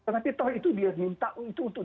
tapi toh itu dia minta untuk